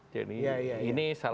jadi ini salah satu